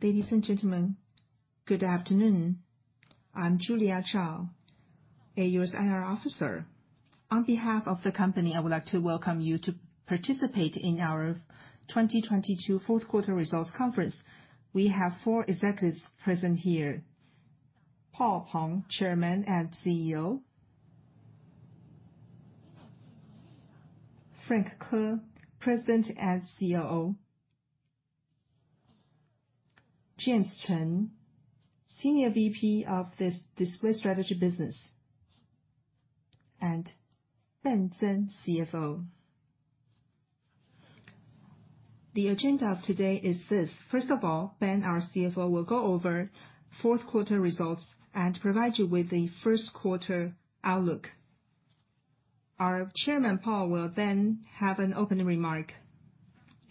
Ladies and gentlemen, good afternoon. I'm Julia Chao, AUO's IR officer. On behalf of the company, I would like to welcome you to participate in our 2022 fourth quarter results conference. We have four executives present here. Paul Peng, Chairman and CEO. Frank Ko, President and COO. James Chen, Senior VP of this Display Strategy Business. Ben Tseng, CFO. The agenda of today is this. First of all, Ben, our CFO, will go over fourth quarter results and provide you with the first quarter outlook. Our Chairman, Paul, will then have an opening remark.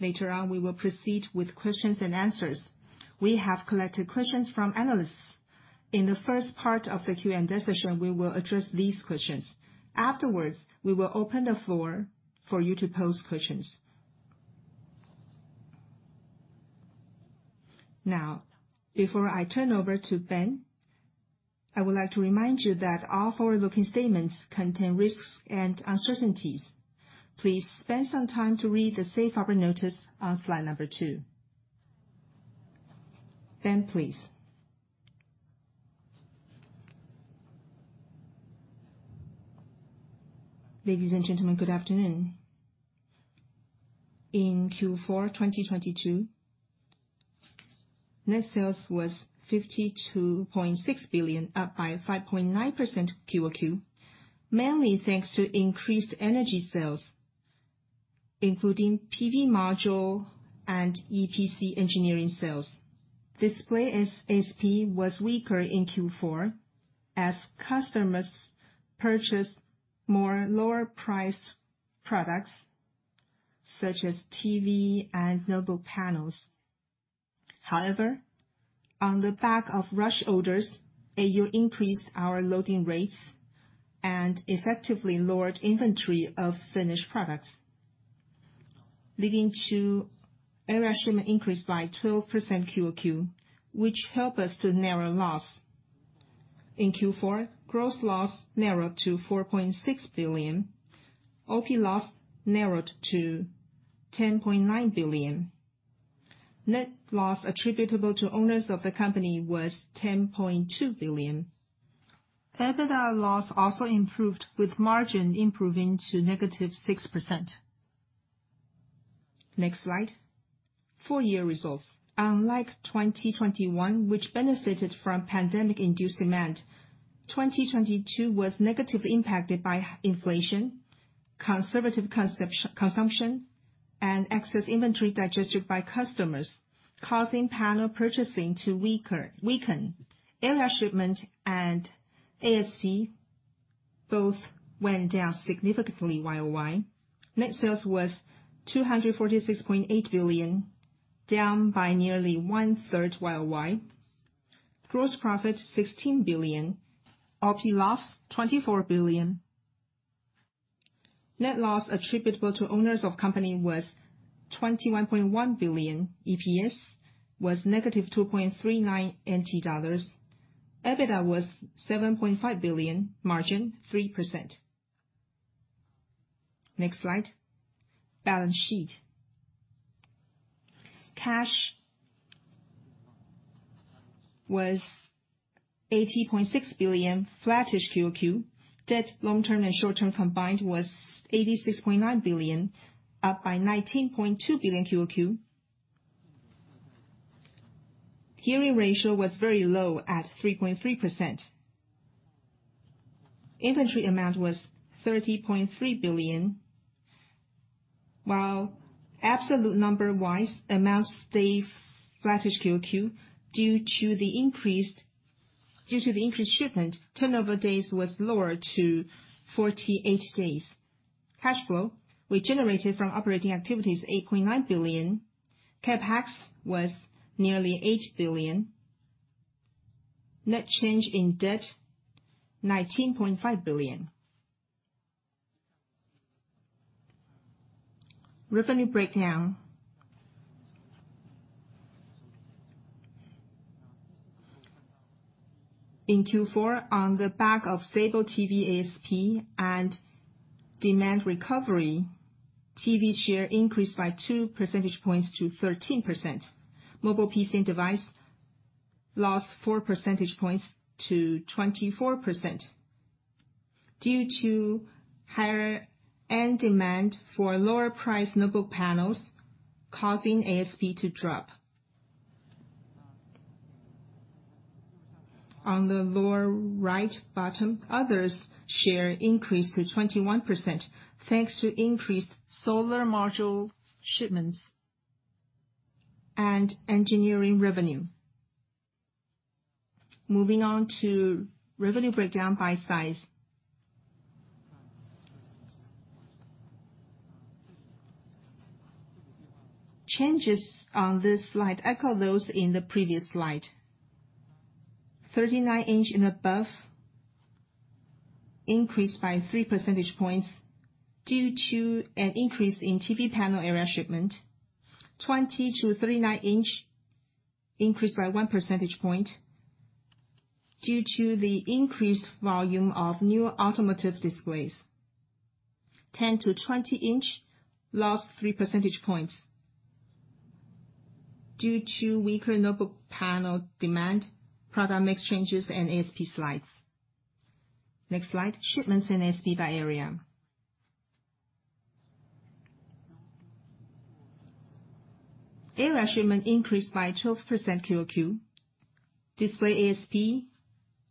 Later on, we will proceed with questions and answers. We have collected questions from analysts. In the first part of the Q&A session, we will address these questions. Afterwards, we will open the floor for you to pose questions. Now, before I turn over to Ben, I would like to remind you that all forward-looking statements contain risks and uncertainties. Please spend some time to read the safe harbor notice on slide 2. Ben, please. Ladies and gentlemen, good afternoon. In Q4 2022, net sales was 52.6 billion, up by 5.9% QOQ, mainly thanks to increased energy sales, including PV module and EPC engineering sales. Display ASP was weaker in Q4 as customers purchased more lower-priced products such as TV and notebook panels. However, on the back of rush orders, AUO increased our loading rates and effectively lowered inventory of finished products, leading to area shipment increase by 12% QOQ, which help us to narrow loss. In Q4, gross loss narrowed to 4.6 billion. Op loss narrowed to 10.9 billion. Net loss attributable to owners of the company was 10.2 billion. EBITDA loss also improved, with margin improving to negative 6%. Next slide. Full year results. Unlike 2021, which benefited from pandemic-induced demand, 2022 was negatively impacted by inflation, conservative consumption, and excess inventory digested by customers, causing panel purchasing to weaken. Area shipment and ASP both went down significantly YOY. Net sales was 246.8 billion, down by nearly one-third YOY. Gross profit, 16 billion. OP loss, 24 billion. Net loss attributable to owners of company was 21.1 billion. EPS was negative NTD 2.39. EBITDA was 7.5 billion, margin 3%. Next slide, balance sheet. Cash was 80.6 billion, flattish QoQ. Debt, long-term and short-term combined, was 86.9 billion, up by 19.2 billion QoQ. Gearing ratio was very low, at 3.3%. Inventory amount was 30.3 billion. While absolute number-wise amounts stay flattish QoQ due to the increased shipment, turnover days was lower to 48 days. Cash flow, we generated from operating activities 8.9 billion. CapEx was nearly 8 billion. Net change in debt, 19.5 billion. Revenue breakdown. In Q4, on the back of stable TV ASP and demand recovery, TV share increased by two percentage points to 13%. Mobile PC and device lost 4 percentage points to 24% due to higher end demand for lower priced notebook panels, causing ASP to drop. On the lower right bottom, others' share increased to 21%, thanks to increased solar module shipments and engineering revenue. Moving on to revenue breakdown by size. Changes on this slide echo those in the previous slide. 39 inch and above increased by 3 percentage points due to an increase in TV panel area shipment. 20 to 39 inch increased by 1 percentage point due to the increased volume of new automotive displays. 10 to 20 inch lost 3 percentage points due to weaker notebook panel demand, product mix changes and ASP slides. Next slide, shipments and ASP by area. Area shipment increased by 12% QOQ. Display ASP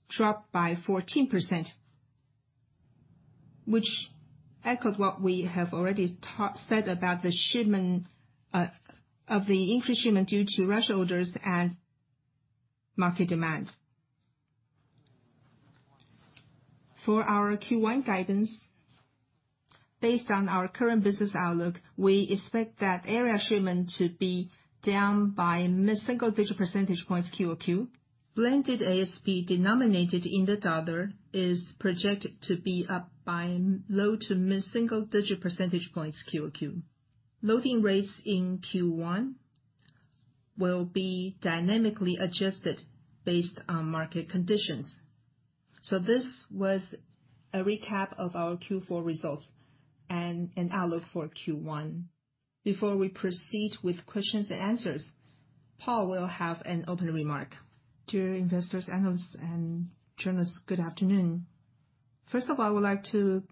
dropped by 14%, which echoed what we have already said about the shipment of the increased shipment due to rush orders and market demand. For our Q1 guidance, based on our current business outlook, we expect that area shipment to be down by mid-single digit percentage points QOQ. Blended ASP denominated in the dollar is projected to be up by low to mid-single digit percentage points QOQ. Loading rates in Q1 will be dynamically adjusted based on market conditions. This was a recap of our Q4 results and an outlook for Q1. Before we proceed with questions and answers, Paul will have an opening remark. Dear investors, analysts and journalists, good afternoon. First of all, I would like to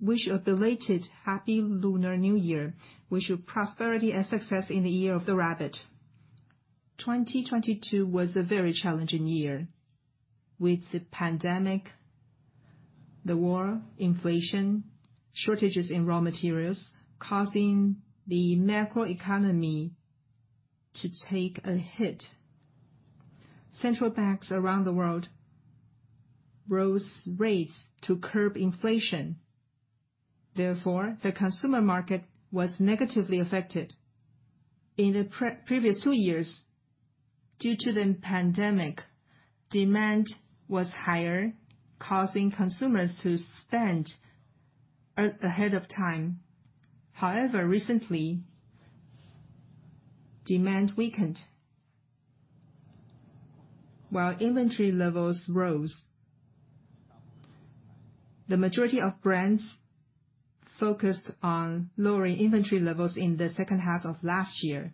wish a belated happy Lunar New Year. Wish you prosperity and success in the year of the rabbit. 2022 was a very challenging year with the pandemic, the war, inflation, shortages in raw materials, causing the macroeconomy to take a hit. Central banks around the world rose rates to curb inflation. Therefore, the consumer market was negatively affected. In the pre-previous two years, due to the pandemic, demand was higher, causing consumers to spend ahead of time. However, recently, demand weakened, while inventory levels rose. The majority of brands focused on lowering inventory levels in the second half of last year,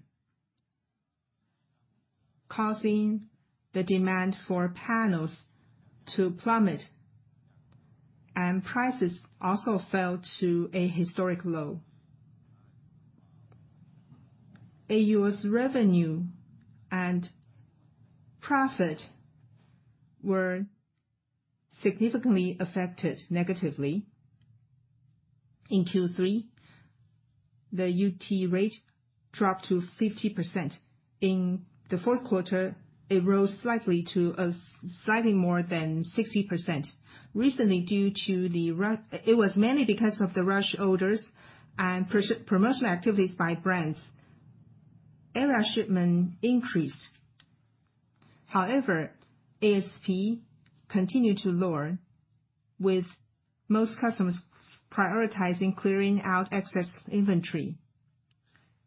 causing the demand for panels to plummet and prices also fell to a historic low. AUO's revenue and profit were significantly affected negatively. In Q3, the UT rate dropped to 50%. In the fourth quarter, it rose slightly to slightly more than 60%. Recently, it was mainly because of the rush orders and promotional activities by brands. Area shipment increased. ASP continued to lower with most customers prioritizing clearing out excess inventory.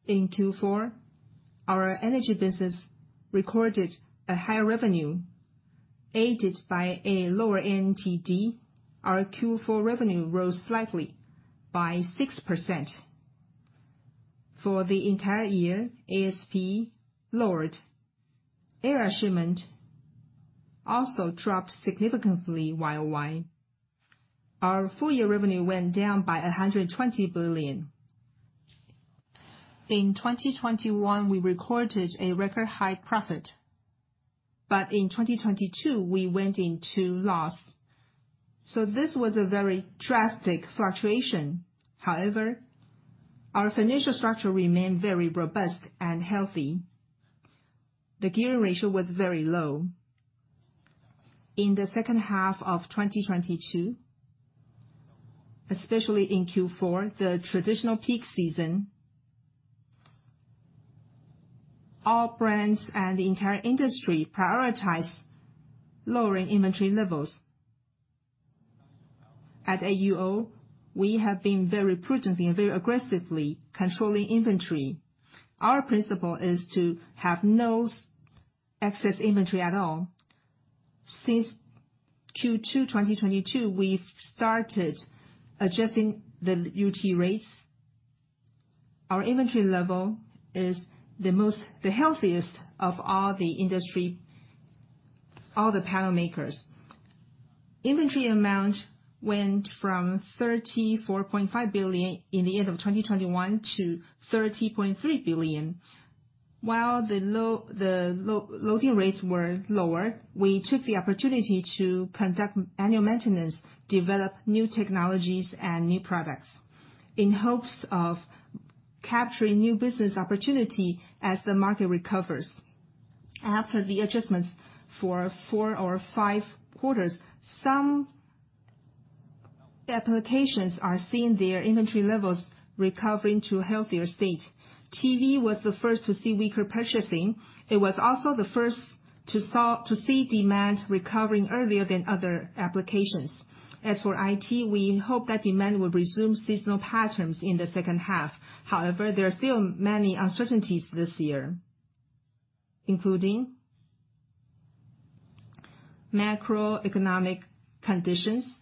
In Q4, our energy business recorded a higher revenue, aided by a lower NTD. Our Q4 revenue rose slightly by 6%. For the entire year, ASP lowered. Area shipment also dropped significantly YOY. Our full year revenue went down by 120 billion. In 2021, we recorded a record high profit. In 2022, we went into loss. This was a very drastic fluctuation. However, our financial structure remained very robust and healthy. The gearing ratio was very low. In the second half of 2022, especially in Q4, the traditional peak season, all brands and the entire industry prioritize lowering inventory levels. At AUO, we have been very prudently and very aggressively controlling inventory. Our principle is to have no excess inventory at all. Since Q2 2022, we've started adjusting the UT rates. Our inventory level is the healthiest of all the industry, all the panel makers. Inventory amount went from 34.5 billion in the end of 2021 to 30.3 billion. While the loading rates were lower, we took the opportunity to conduct annual maintenance, develop new technologies and new products in hopes of capturing new business opportunity as the market recovers. After the adjustments for four or five quarters, some applications are seeing their inventory levels recovering to a healthier state. TV was the first to see weaker purchasing. It was also the first to see demand recovering earlier than other applications. As for IT, we hope that demand will resume seasonal patterns in the second half. However, there are still many uncertainties this year, including macroeconomic conditions.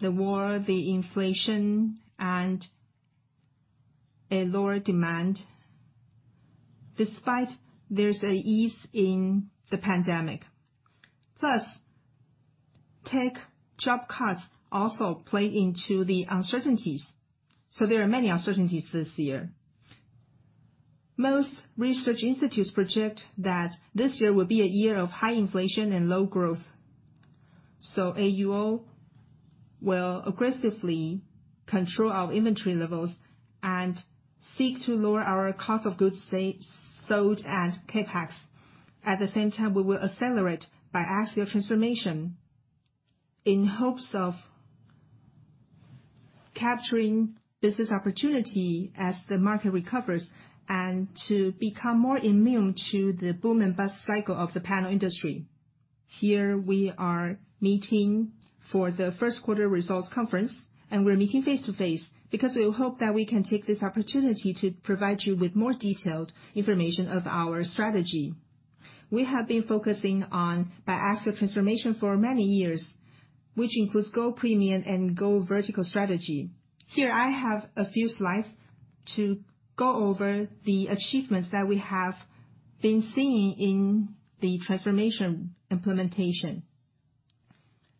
The war, the inflation, and a lower demand, despite there's a ease in the pandemic. Tech job cuts also play into the uncertainties. There are many uncertainties this year. Most research institutes project that this year will be a year of high inflation and low growth. AUO will aggressively control our inventory levels and seek to lower our cost of goods sold and CapEx. At the same time, we will accelerate biaxial transformation in hopes of capturing business opportunity as the market recovers, and to become more immune to the boom and bust cycle of the panel industry. We are meeting for the first quarter results conference, and we're meeting face-to-face because we hope that we can take this opportunity to provide you with more detailed information of our strategy. We have been focusing on biaxial transformation for many years, which includes Go Premium and Go Vertical strategy. I have a few slides to go over the achievements that we have been seeing in the transformation implementation.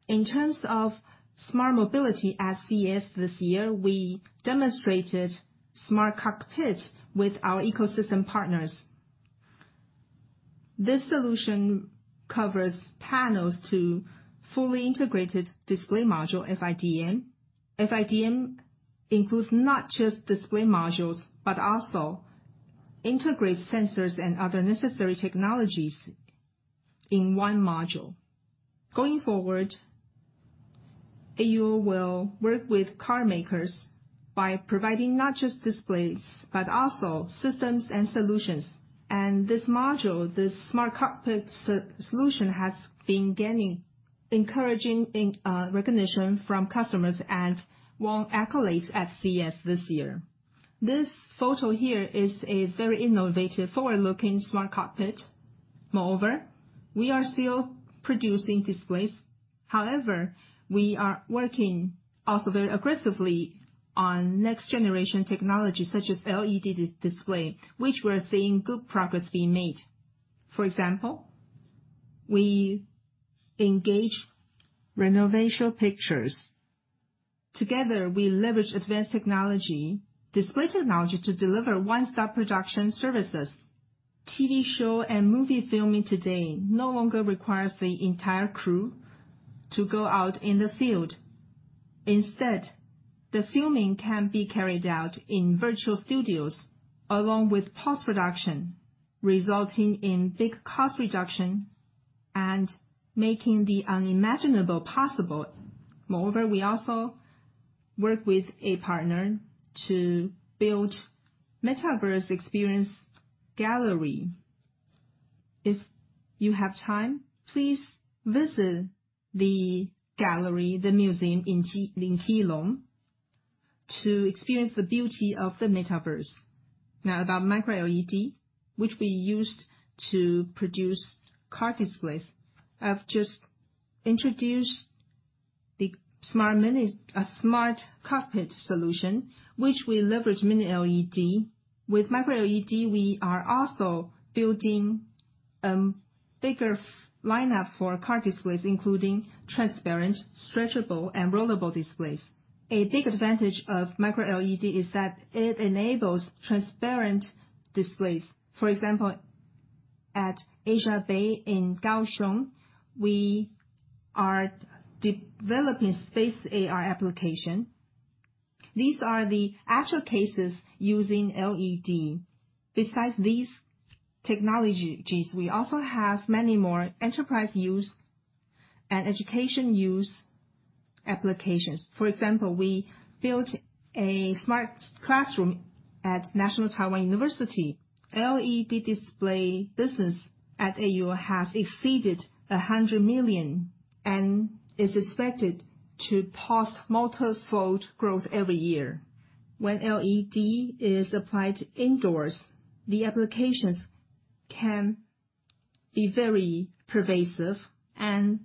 In terms of smart mobility at CES this year, we demonstrated smart cockpit with our ecosystem partners. This solution covers panels to fully integrated display module, FIDM. FIDM includes not just display modules, but also integrates sensors and other necessary technologies in one module. Going forward, AUO will work with car makers by providing not just displays, but also systems and solutions. This module, this smart cockpit solution, has been gaining encouraging recognition from customers and won accolades at CES this year. This photo here is a very innovative, forward-looking smart cockpit. Moreover, we are still producing displays. However, we are working also very aggressively on next generation technology such as LED display, which we are seeing good progress being made. For example, we engage Renovatio Pictures. Together, we leverage advanced technology, display technology, to deliver one-stop production services. TV show and movie filming today no longer requires the entire crew to go out in the field. Instead, the filming can be carried out in virtual studios along with post-production, resulting in big cost reduction and making the unimaginable possible. We also work with a partner to build metaverse experience gallery. If you have time, please visit the gallery, the museum in Keelung to experience the beauty of the metaverse. About Micro LED, which we use to produce car displays. I've just introduced the smart cockpit solution, which we leverage mini LED. With Micro LED, we are also building bigger lineup for car displays, including transparent, stretchable, and rollable displays. A big advantage of Micro LED is that it enables transparent displays. For example, at Asia New Bay Area in Kaohsiung, we are developing space AI application. These are the actual cases using LED. Besides these technologies, we also have many more enterprise use and education use applications. For example, we built a smart classroom at National Taiwan University. LED display business at AUO has exceeded 100 million and is expected to pass multi-fold growth every year. When LED is applied indoors, the applications can be very pervasive and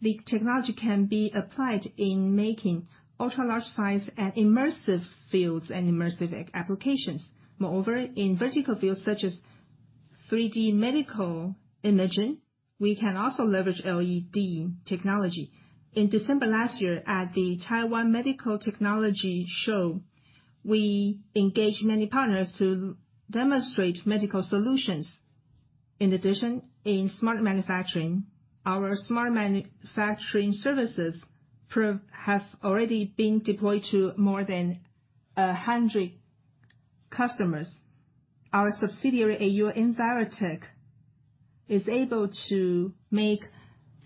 the technology can be applied in making ultra-large size and immersive views and immersive applications. Moreover, in vertical views such as 3D medical imaging, we can also leverage LED technology. In December last year at the Taiwan Medical Technology Show, we engaged many partners to demonstrate medical solutions. In addition, in smart manufacturing, our smart manufacturing services have already been deployed to more than 100 customers. Our subsidiary, AUO Envirotech, is able to make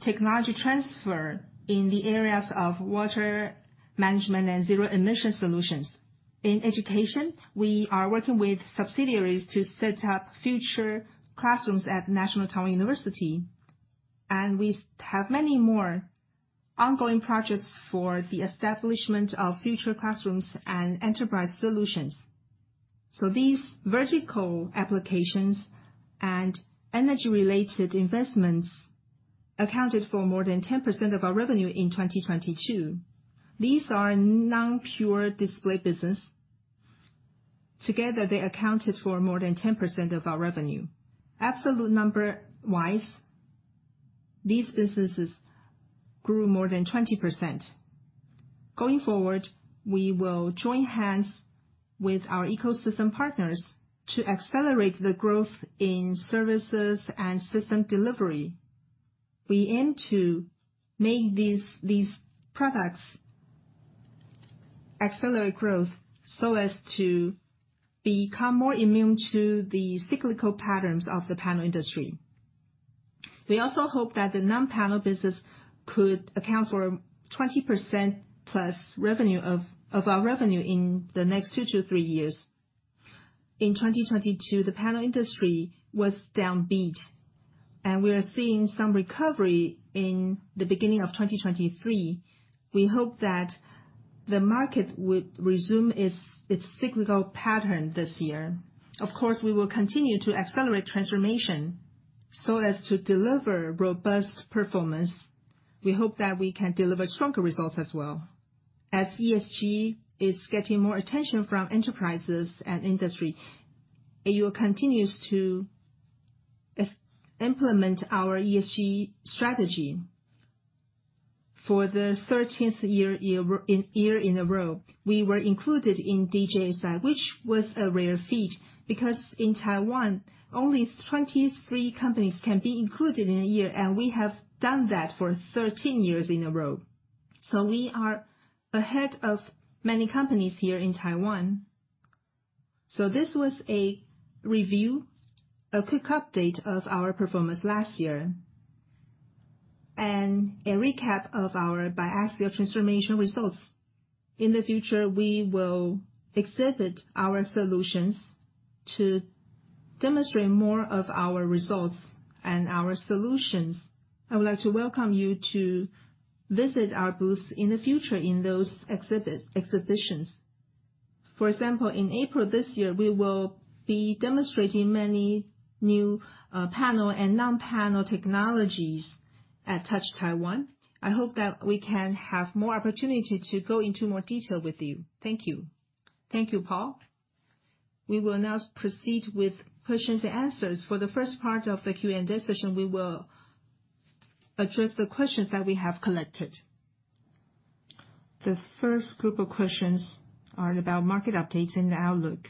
technology transfer in the areas of water management and zero emission solutions. In education, we are working with subsidiaries to set up future classrooms at National Taiwan University. We have many more ongoing projects for the establishment of future classrooms and enterprise solutions. These vertical applications and energy-related investments accounted for more than 10% of our revenue in 2022. These are non-pure display business. Together, they accounted for more than 10% of our revenue. Absolute number-wise, these businesses grew more than 20%. Going forward, we will join hands with our ecosystem partners to accelerate the growth in services and system delivery. We aim to make these products accelerate growth so as to become more immune to the cyclical patterns of the panel industry. We also hope that the non-panel business could account for 20% plus revenue of our revenue in the next two to three years. In 2022, the panel industry was downbeat, and we are seeing some recovery in the beginning of 2023. We hope that the market will resume its cyclical pattern this year. Of course, we will continue to accelerate transformation so as to deliver robust performance. We hope that we can deliver stronger results as well. As ESG is getting more attention from enterprises and industry, AUO continues to implement our ESG strategy. For the 13th year in a row, we were included in DJSI, which was a rare feat because in Taiwan, only 23 companies can be included in a year, and we have done that for 13 years in a row. We are ahead of many companies here in Taiwan. This was a review, a quick update of our performance last year, and a recap of our biaxial transformation results. In the future, we will exhibit our solutions to demonstrate more of our results and our solutions. I would like to welcome you to visit our booth in the future in those exhibits, exhibitions. For example, in April this year, we will be demonstrating many new panel and non-panel technologies at Touch Taiwan. I hope that we can have more opportunity to go into more detail with you. Thank you. Thank you, Paul. We will now proceed with questions and answers. For the first part of the Q&A session, we will address the questions that we have collected. The first group of questions are about market updates and outlook.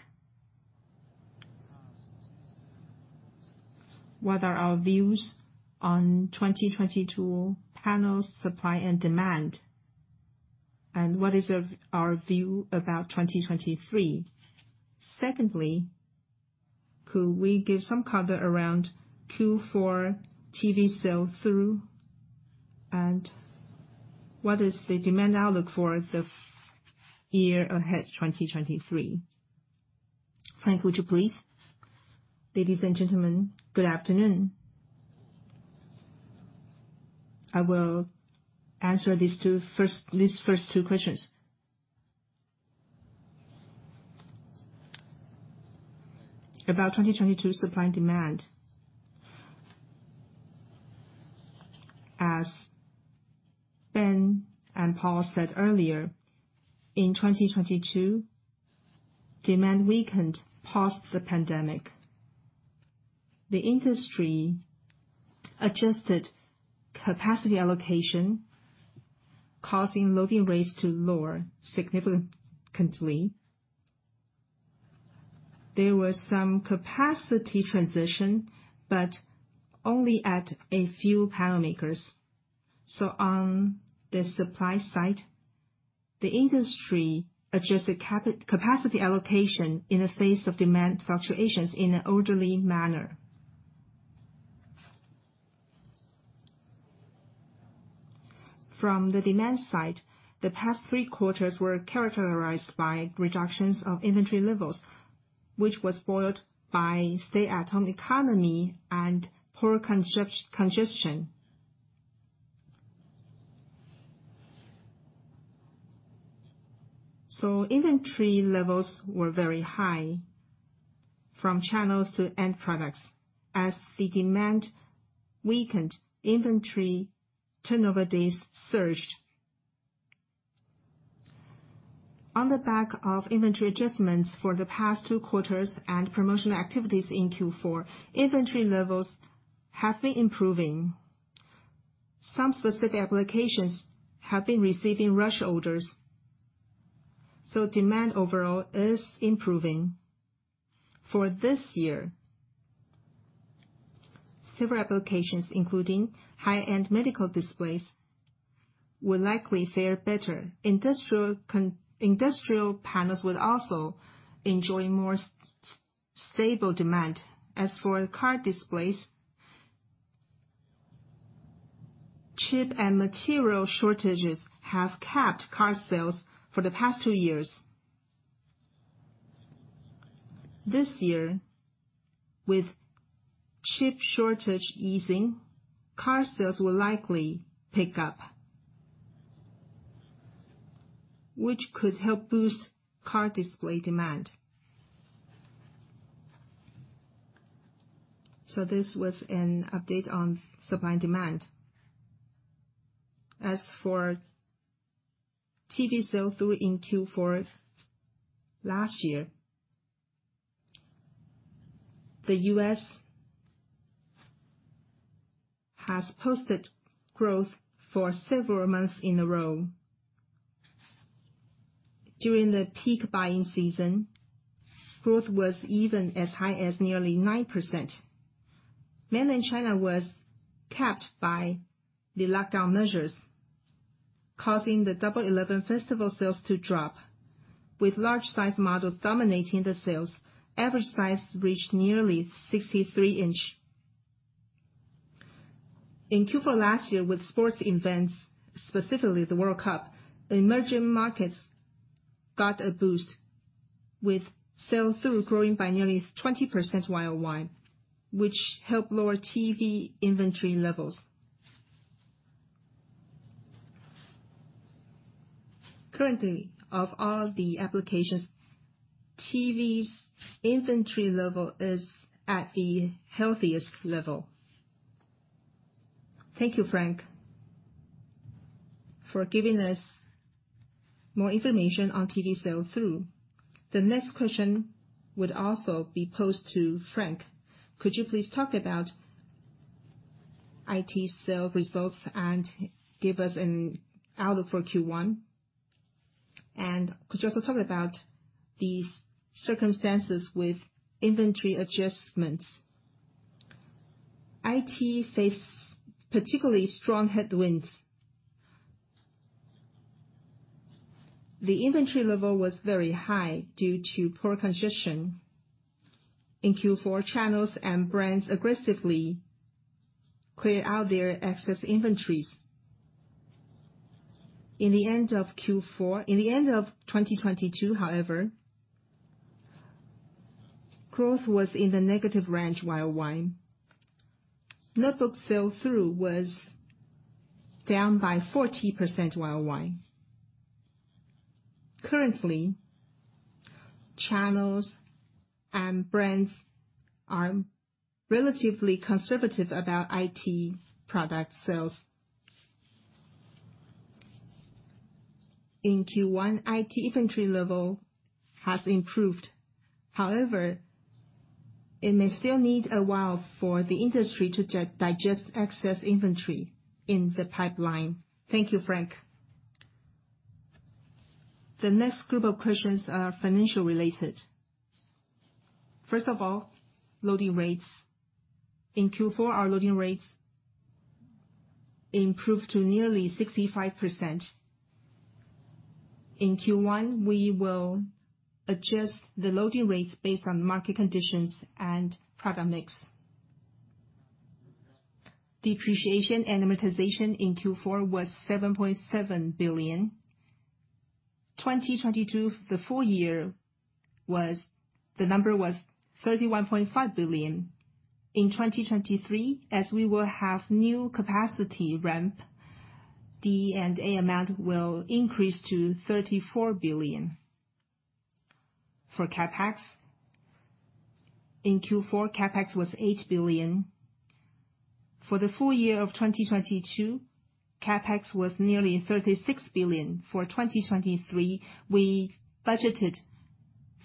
What are our views on 2022 panels supply and demand, and what is our view about 2023? Secondly, could we give some color around Q4 TV sell-through, and what is the demand outlook for the year ahead, 2023? Frank, would you please? Ladies and gentlemen, good afternoon. I will answer these first two questions. About 2022 supply and demand. As Ben and Paul said earlier, in 2022, demand weakened past the pandemic. The industry adjusted capacity allocation, causing loading rates to lower significantly. There was some capacity transition, but only at a few panel makers. On the supply side, the industry adjusted capacity allocation in the face of demand fluctuations in an orderly manner. From the demand side, the past three quarters were characterized by reductions of inventory levels, which was followed by stay-at-home economy and poor congestion. Inventory levels were very high from channels to end products. As the demand weakened, inventory turnover days surged. On the back of inventory adjustments for the past two quarters and promotional activities in Q4, inventory levels have been improving. Demand overall is improving. For this year, several applications, including high-end medical displays, will likely fare better. Industrial panels would also enjoy more stable demand. As for car displays, chip and material shortages have capped car sales for the past two years. This year, with chip shortage easing, car sales will likely pick up, which could help boost car display demand. This was an update on supply and demand. As for TV sell-through in Q4 last year, the US has posted growth for several months in a row. During the peak buying season, growth was even as high as nearly 9%. Mainland China was capped by the lockdown measures, causing the Double Eleven festival sales to drop, with large-size models dominating the sales. Average size reached nearly 63 inch. In Q4 last year with sports events, specifically the World Cup, emerging markets got a boost with sell-through growing by nearly 20% YOY, which helped lower TV inventory levels. Currently, of all the applications, TV's inventory level is at the healthiest level. Thank you, Frank, for giving us more information on TV sell-through. The next question would also be posed to Frank. Could you please talk about IT sell results and give us an outlook for Q1? Could you also talk about the circumstances with inventory adjustments? IT faced particularly strong headwinds. The inventory level was very high due to poor consumption. In Q4, channels and brands aggressively cleared out their excess inventories. In the end of 2022, however, growth was in the negative range YOY. Notebook sell-through was down by 40% YOY. Currently, channels and brands are relatively conservative about IT product sales. In Q1, IT inventory level has improved. However, it may still need a while for the industry to digest excess inventory in the pipeline. Thank you, Frank. The next group of questions are financial related. First of all, loading rates. In Q4, our loading rates improved to nearly 65%. In Q1, we will adjust the loading rates based on market conditions and product mix. Depreciation and amortization in Q4 was 7.7 billion. 2022, the full year, the number was 31.5 billion. In 2023, as we will have new capacity ramp, D&A amount will increase to 34 billion. For CapEx, in Q4, CapEx was 8 billion. For the full year of 2022, CapEx was nearly 36 billion. For 2023, we budgeted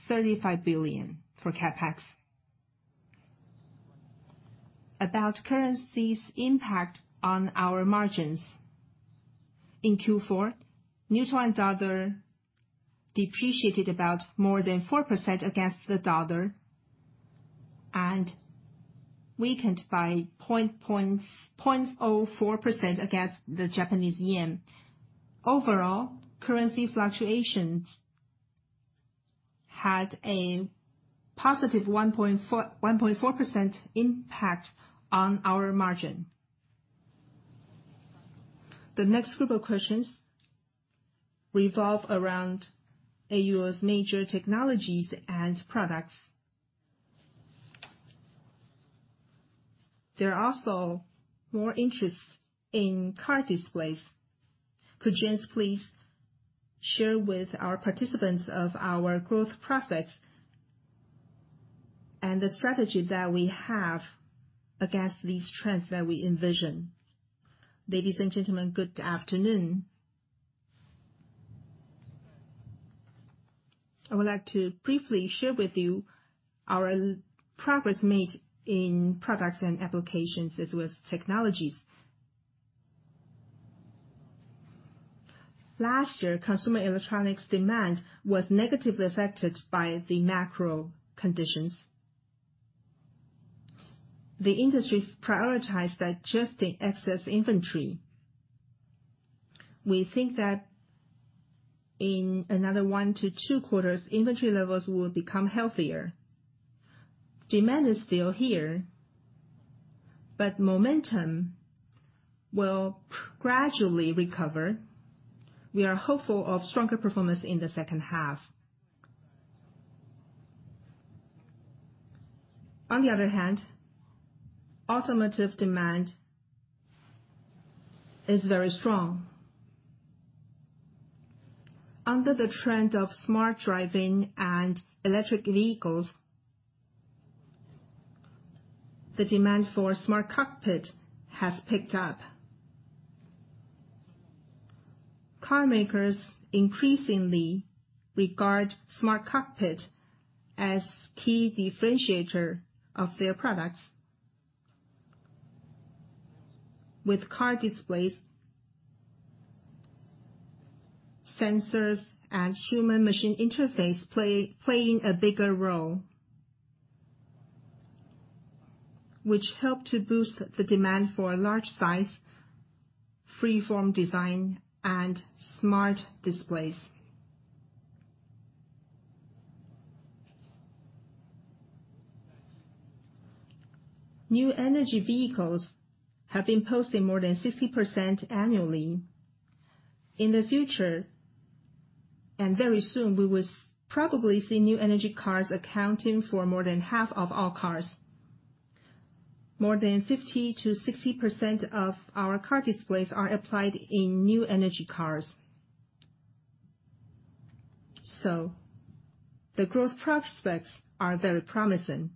35 billion for CapEx. About currency's impact on our margins. In Q4, CNY and NTD depreciated about more than 4% against the USD and weakened by 0.04% against the JPY. Overall, currency fluctuations had a positive 1.4% impact on our margin. The next group of questions revolve around AUO's major technologies and products. There are also more interests in car displays. Could James please share with our participants of our growth prospects and the strategy that we have against these trends that we envision? Ladies and gentlemen, good afternoon. I would like to briefly share with you our progress made in products and applications, as well as technologies. Last year, consumer electronics demand was negatively affected by the macro conditions. The industry prioritized adjusting excess inventory. We think that in another 1 to 2 quarters, inventory levels will become healthier. Demand is still here, momentum will gradually recover. We are hopeful of stronger performance in the second half. On the other hand, automotive demand is very strong. Under the trend of smart driving and electric vehicles, the demand for smart cockpit has picked up. Car makers increasingly regard smart cockpit as key differentiator of their products. With car displays, sensors and human-machine interface playing a bigger role. Help to boost the demand for a large size, freeform design, and smart displays. New energy vehicles have been posting more than 60% annually. In the future, and very soon, we will probably see new energy cars accounting for more than half of all cars. More than 50%-60% of our car displays are applied in new energy cars. The growth prospects are very promising.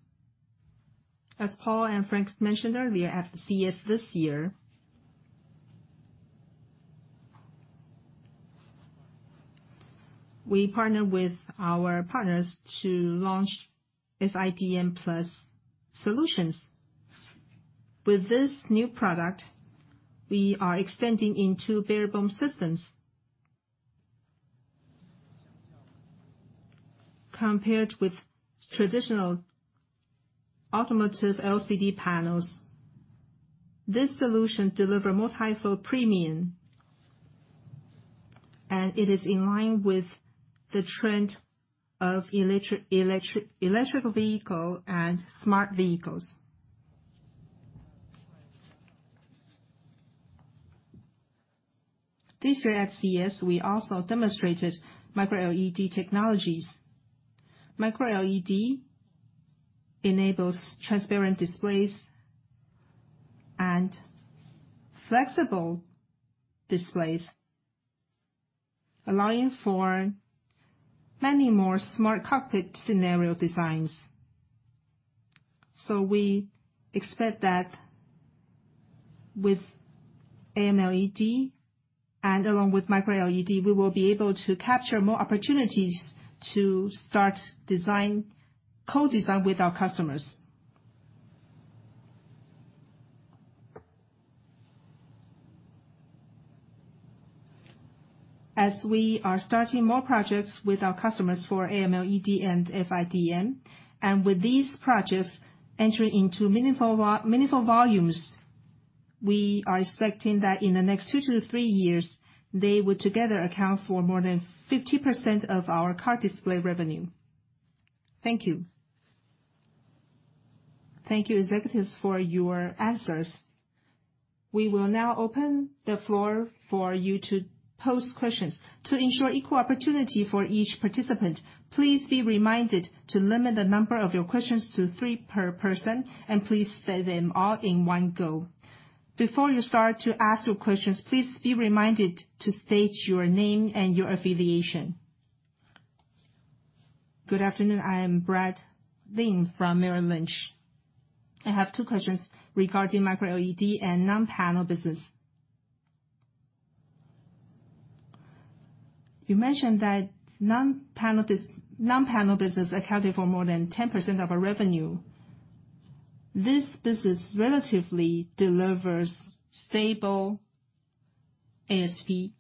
As Paul and Frank mentioned earlier, at CES this year, we partnered with our partners to launch FIDM Plus solutions. With this new product, we are extending into barebone systems. Compared with traditional automotive LCD panels, this solution deliver multifold premium, and it is in line with the trend of electrical vehicle and smart vehicles. This year at CES, we also demonstrated Micro LED technologies. Micro LED enables transparent displays and flexible displays, allowing for many more smart cockpit scenario designs. We expect that with AmLED and along with Micro LED, we will be able to capture more opportunities to start co-design with our customers. As we are starting more projects with our customers for AmLED and FIDM, and with these projects entering into meaningful volumes, we are expecting that in the next 2 to 3 years, they would together account for more than 50% of our car display revenue. Thank you. Thank you, executives, for your answers. We will now open the floor for you to pose questions. To ensure equal opportunity for each participant, please be reminded to limit the number of your questions to 3 per person, and please say them all in one go. Before you start to ask your questions, please be reminded to state your name and your affiliation. Good afternoon. I am Brad Lin from Bank of America Securities. I have 2 questions regarding Micro LED and non-panel business. You mentioned that non-panel business accounted for more than 10% of our revenue. This business relatively delivers stable ASP.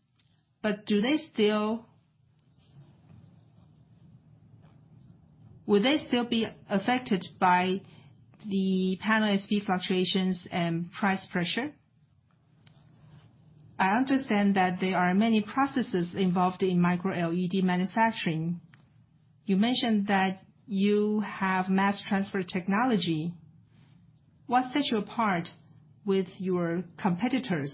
Will they still be affected by the panel ASP fluctuations and price pressure? I understand that there are many processes involved in Micro LED manufacturing. You mentioned that you have mass transfer technology. What sets you apart with your competitors?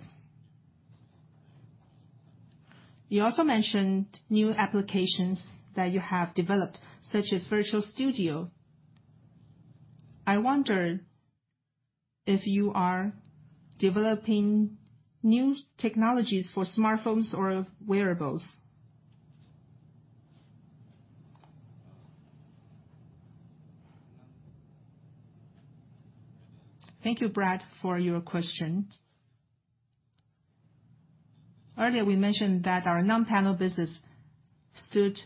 You also mentioned new applications that you have developed, such as virtual studio. I wonder if you are developing new technologies for smartphones or wearables. Thank you, Brad, for your question. Earlier, we mentioned that our non-panel business stood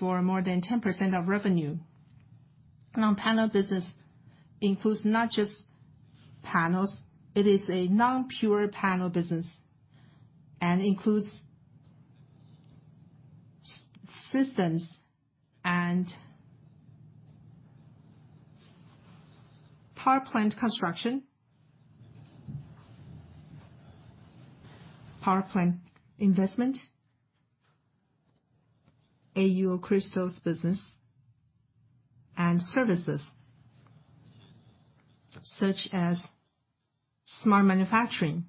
for more than 10% of revenue. Non-panel business includes not just panels, it is a non-pure panel business and includes systems and power plant construction, power plant investment, AUO Crystal business, and services such as smart manufacturing.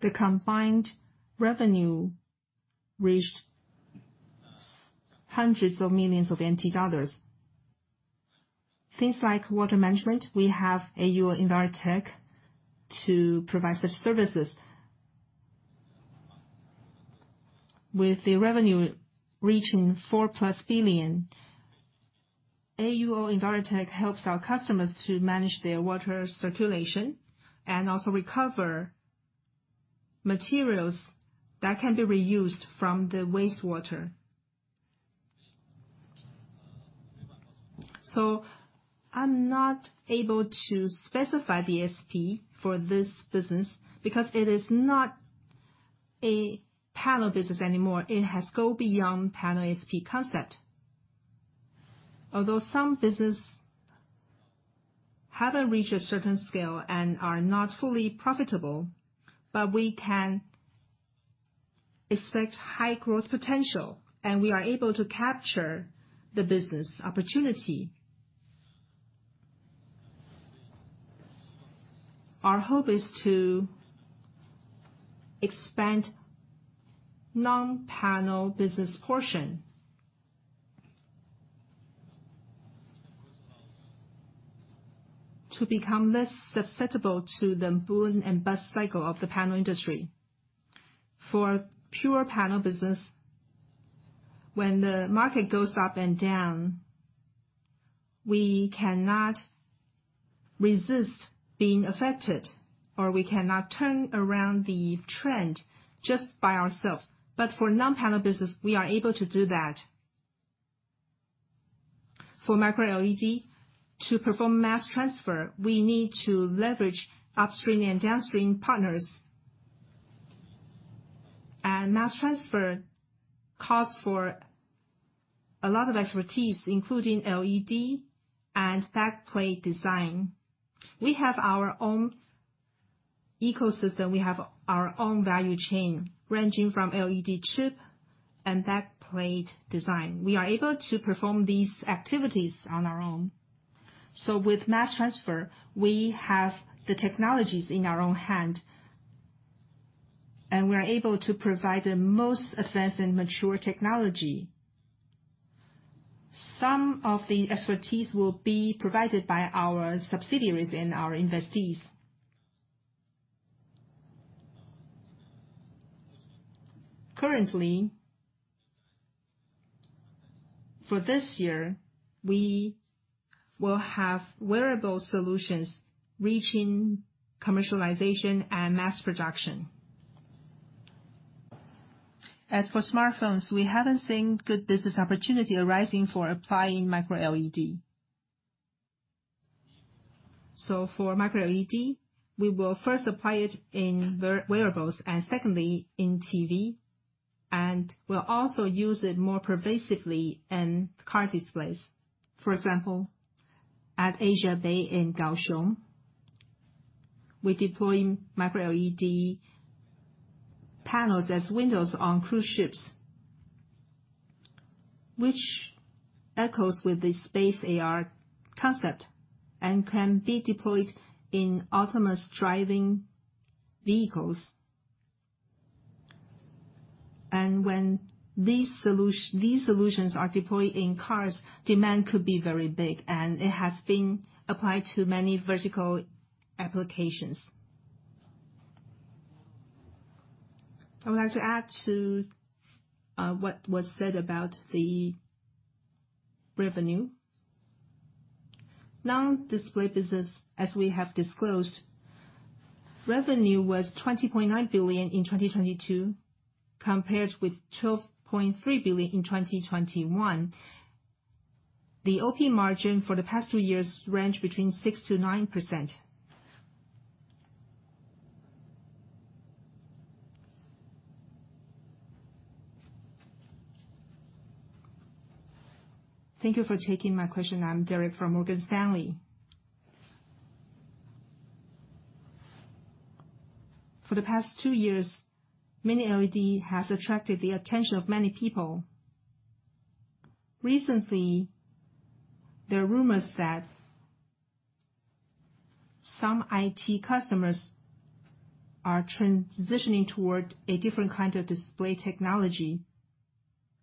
The combined revenue reached hundreds of millions of NTD. Things like water management, we have AUO Envirotech to provide such services. With the revenue reaching 4+ billion, AUO Envirotech helps our customers to manage their water circulation and also recover materials that can be reused from the wastewater. I'm not able to specify the ASP for this business because it is not a panel business anymore. It has go beyond panel ASP concept. Although some business haven't reached a certain scale and are not fully profitable, but we can expect high growth potential, and we are able to capture the business opportunity. Our hope is to expand non-panel business portion to become less susceptible to the boom and bust cycle of the panel industry. For pure panel business, when the market goes up and down, we cannot resist being affected, or we cannot turn around the trend just by ourselves. For non-panel business, we are able to do that. For Micro LED, to perform mass transfer, we need to leverage upstream and downstream partners. Mass transfer calls for a lot of expertise, including LED and backplate design. We have our own ecosystem. We have our own value chain, ranging from LED chip and backplate design. We are able to perform these activities on our own. With mass transfer, we have the technologies in our own hand, and we are able to provide the most advanced and mature technology. Some of the expertise will be provided by our subsidiaries and our investees. Currently, for this year, we will have wearable solutions reaching commercialization and mass production. As for smartphones, we haven't seen good business opportunity arising for applying Micro LED. For Micro LED, we will first apply it in wearables, and secondly in TV. We'll also use it more pervasively in car displays. For example, at Asia Bay in Kaohsiung, we're deploying Micro LED panels as windows on cruise ships, which echoes with the space AR concept and can be deployed in autonomous driving vehicles. When these solutions are deployed in cars, demand could be very big, and it has been applied to many vertical applications. I would like to add to what was said about the revenue. Non-display business, as we have disclosed, revenue was 20.9 billion in 2022, compared with 12.3 billion in 2021. The OP margin for the past two years range between 6%-9%. Thank you for taking my question. I'm Derek from Morgan Stanley. For the past two years, mini LED has attracted the attention of many people. Recently, there are rumors that some IT customers are transitioning toward a different kind of display technology.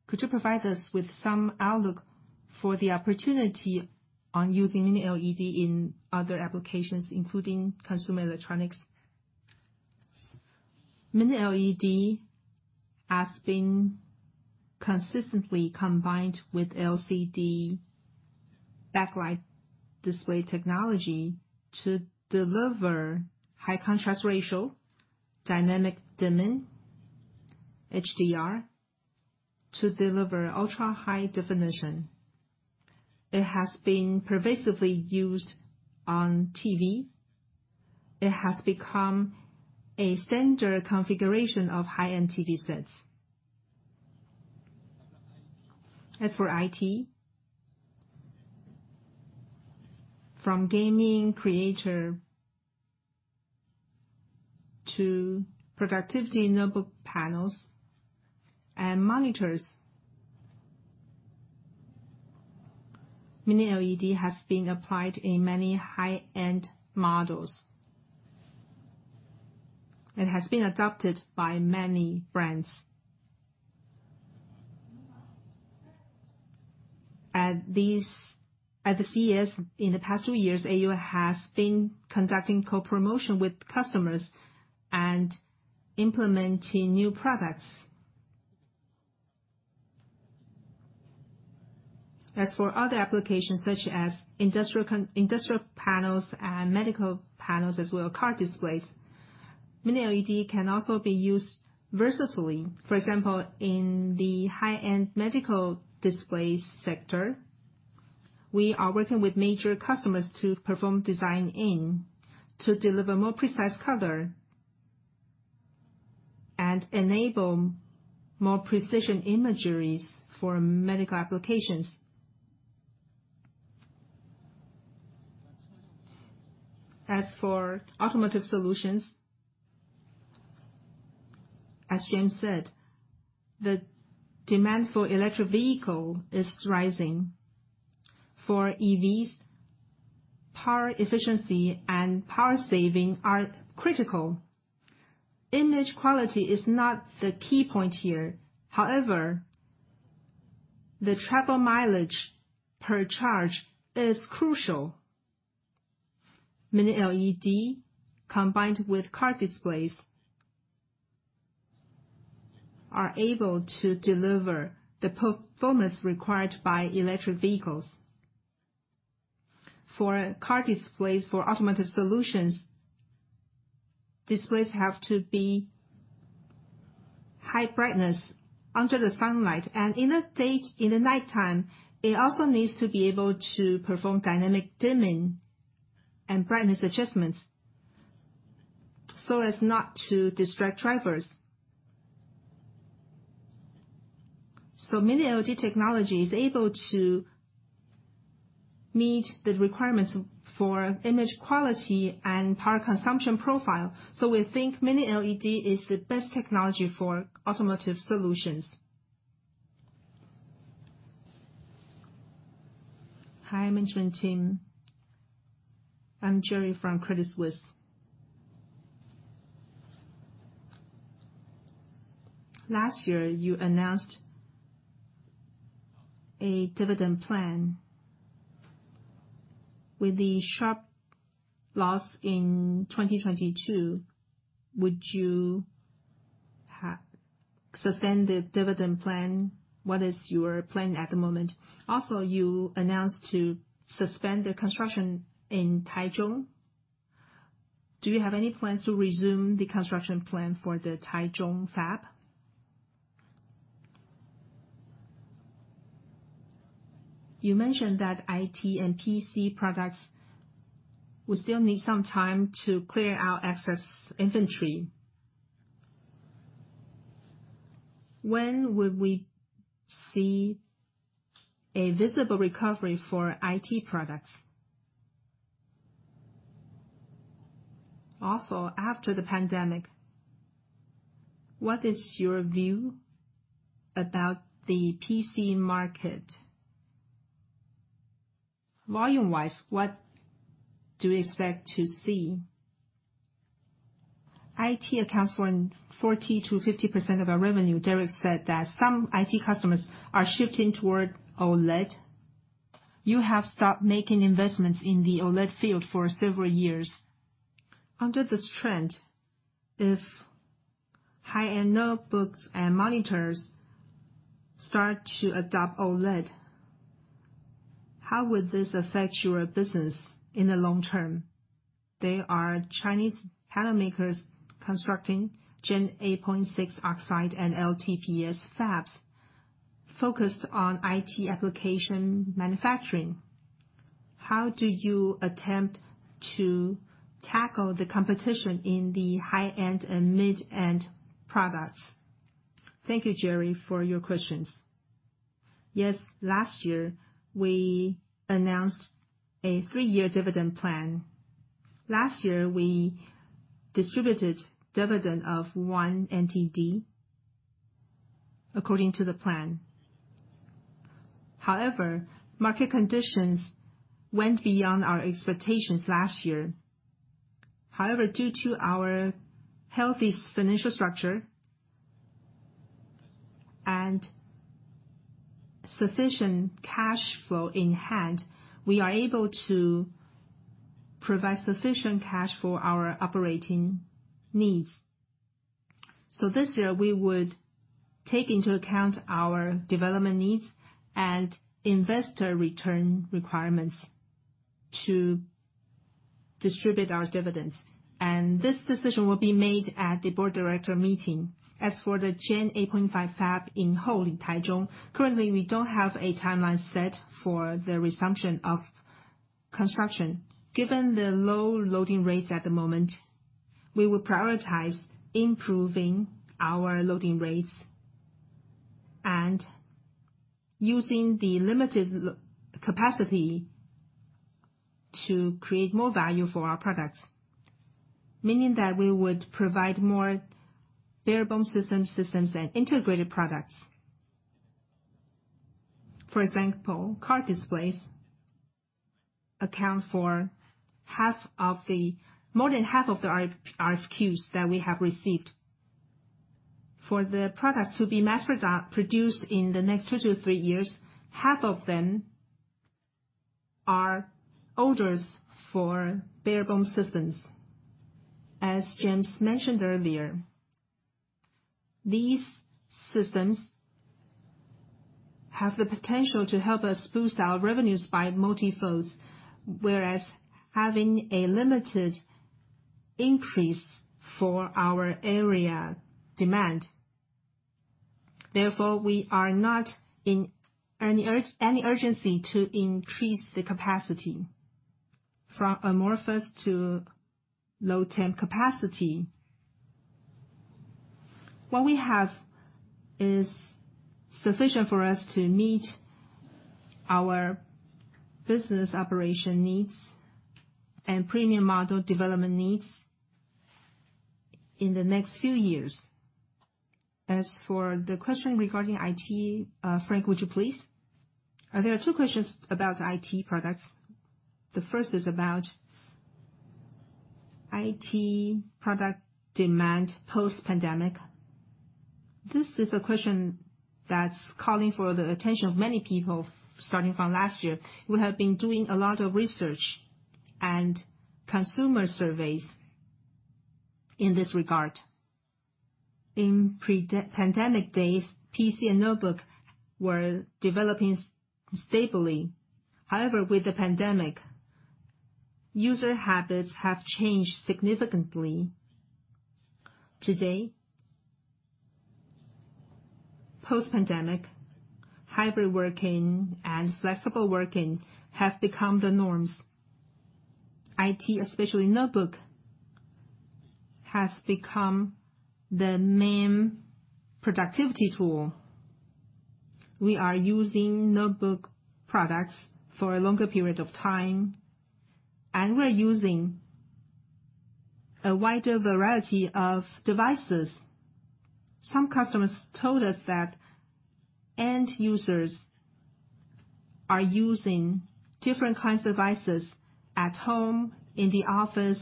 Could you provide us with some outlook for the opportunity on using mini LED in other applications, including consumer electronics? Mini LED has been consistently combined with LCD backlight display technology to deliver high contrast ratio, dynamic dimming, HDR to deliver ultra-high definition. It has been pervasively used on TV. It has become a standard configuration of high-end TV sets. As for IT, from gaming creator to productivity notebook panels and monitors, mini LED has been applied in many high-end models. It has been adopted by many brands. These are the CES in the past few years, AUO has been conducting co-promotion with customers and implementing new products. As for other applications such as industrial panels and medical panels as well car displays, mini LED can also be used versatily. For example, in the high-end medical display sector, we are working with major customers to perform design in, to deliver more precise color and enable more precision imageries for medical applications. As for automotive solutions, as James said, the demand for electric vehicle is rising. For EVs, power efficiency and power saving are critical. Image quality is not the key point here. However, the travel mileage per charge is crucial. mini LED combined with car displays are able to deliver the performance required by electric vehicles. For automotive solutions, displays have to be high brightness under the sunlight and in the nighttime, it also needs to be able to perform dynamic dimming and brightness adjustments, so as not to distract drivers. mini LED technology is able to meet the requirements for image quality and power consumption profile. We think mini LED is the best technology for automotive solutions. Hi, management team. I'm Jerry from Credit Suisse. Last year, you announced a dividend plan. With the sharp loss in 2022, would you suspend the dividend plan? What is your plan at the moment? You announced to suspend the construction in Taichung. Do you have any plans to resume the construction plan for the Taichung fab? You mentioned that IT and PC products will still need some time to clear out excess inventory. When would we see a visible recovery for IT products? After the pandemic, what is your view about the PC market? Volume-wise, what do you expect to see? IT accounts for 40%-50% of our revenue. Derek said that some IT customers are shifting toward OLED. You have stopped making investments in the OLED field for several years. Under this trend, if high-end notebooks and monitors start to adopt OLED, how would this affect your business in the long term? There are Chinese panel makers constructing Gen 8.6 oxide and LTPS fabs focused on IT application manufacturing. How do you attempt to tackle the competition in the high-end and mid-end products? Thank you, Jerry, for your questions. Last year, we announced a 3-year dividend plan. Last year, we distributed dividend of 1 NTD according to the plan. Market conditions went beyond our expectations last year. Due to our healthy financial structure and sufficient cash flow in hand, we are able to provide sufficient cash for our operating needs. This year, we would take into account our development needs and investor return requirements to distribute our dividends. This decision will be made at the board director meeting. As for the Gen 8.5 fab in Houli, Taichung, currently, we don't have a timeline set for the resumption of construction. Given the low loading rates at the moment, we will prioritize improving our loading rates and using the limited capacity to create more value for our products. Meaning that we would provide more barebone systems and integrated products. For example, car displays account for more than half of the RFQs that we have received. For the products to be mass-produced in the next two to three years, half of them are orders for barebone systems. As James mentioned earlier, these systems have the potential to help us boost our revenues by multifold, whereas having a limited increase for our area demand. We are not in any urgency to increase the capacity from amorphous to low-temp capacity. What we have is sufficient for us to meet our business operation needs and premium model development needs in the next few years. As for the question regarding IT, Frank, would you please? There are two questions about IT products. The first is about IT product demand post-pandemic. This is a question that's calling for the attention of many people starting from last year. We have been doing a lot of research and consumer surveys in this regard. In pandemic days, PC and notebook were developing stably. With the pandemic, user habits have changed significantly. Today, post-pandemic, hybrid working and flexible working have become the norms. IT, especially notebook, has become the main productivity tool. We are using notebook products for a longer period of time, and we're using a wider variety of devices. Some customers told us that end users are using different kinds of devices at home, in the office.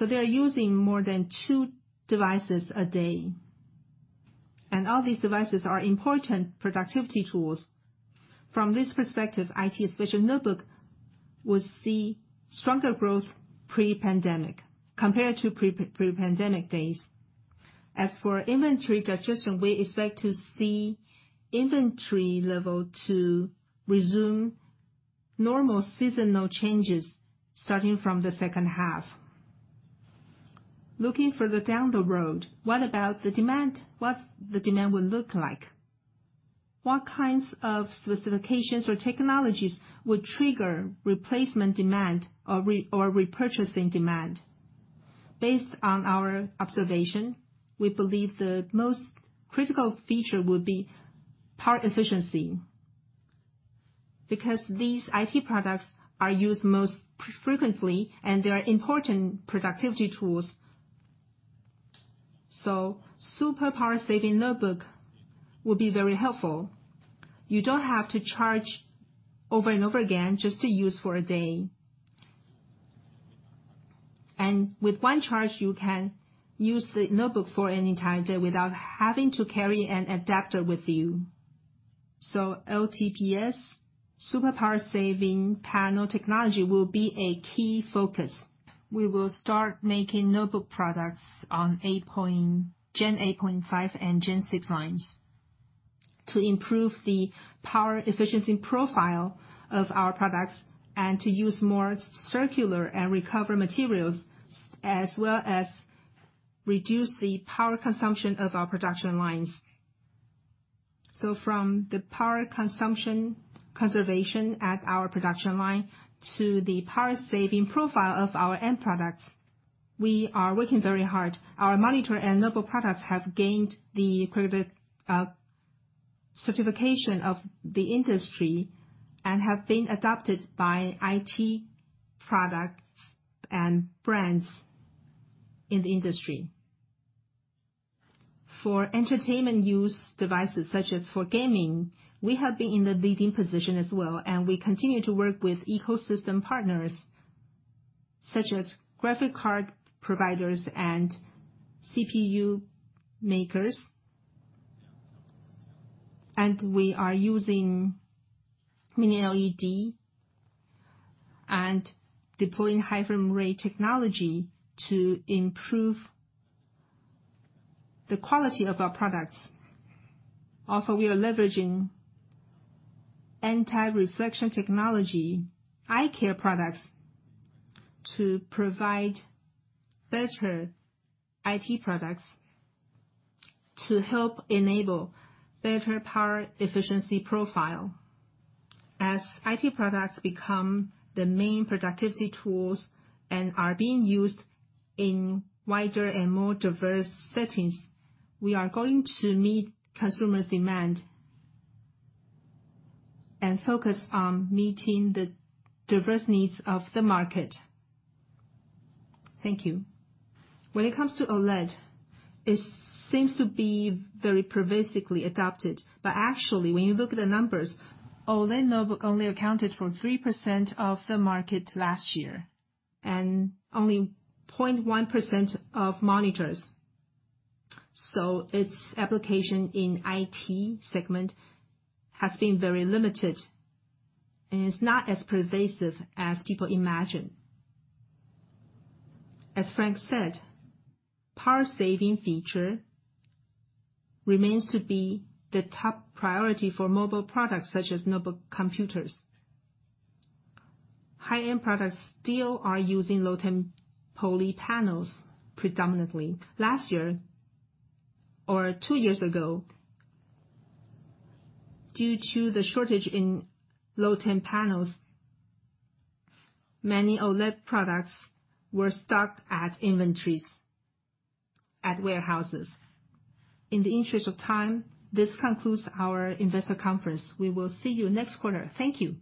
They're using more than two devices a day. All these devices are important productivity tools. From this perspective, IT, especially notebook, will see stronger growth pre-pandemic compared to pre-pandemic days. As for inventory digestion, we expect to see inventory level to resume normal seasonal changes starting from the second half. Looking further down the road, what about the demand? What the demand will look like? What kinds of specifications or technologies would trigger replacement demand or repurchasing demand? Based on our observation, we believe the most critical feature would be power efficiency, because these IT products are used most frequently, and they are important productivity tools. Super power-saving notebook will be very helpful. You don't have to charge over and over again just to use for a day. With one charge, you can use the notebook for an entire day without having to carry an adapter with you. LTPS super power-saving panel technology will be a key focus. We will start making notebook products on Gen 8.5 and Gen six lines to improve the power efficiency profile of our products and to use more circular and recover materials, as well as reduce the power consumption of our production lines. From the power consumption conservation at our production line to the power-saving profile of our end products, we are working very hard. Our monitor and notebook products have gained the accredited certification of the industry and have been adopted by IT products and brands in the industry. For entertainment use devices, such as for gaming, we have been in the leading position as well. We continue to work with ecosystem partners such as graphic card providers and CPU makers. We are using mini LED and deploying high frame rate technology to improve the quality of our products. Also, we are leveraging anti-reflection technology, eye care products to provide better IT products to help enable better power efficiency profile. As IT products become the main productivity tools and are being used in wider and more diverse settings, we are going to meet customer's demand and focus on meeting the diverse needs of the market. Thank you. When it comes to OLED, it seems to be very pervasively adopted. Actually when you look at the numbers, OLED notebook only accounted for 3% of the market last year, and only 0.1% of monitors. Its application in IT segment has been very limited and it's not as pervasive as people imagine. As Frank said, power saving feature remains to be the top priority for mobile products such as notebook computers. High-end products still are using low temp poly panels predominantly. Last year or two years ago, due to the shortage in low temp panels, many OLED products were stuck at inventories at warehouses. In the interest of time, this concludes our investor conference. We will see you next quarter. Thank you.